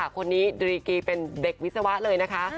คนนี้ดรีกีเป็นเด็กวิศวะเลยนะคะ